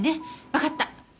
わかった。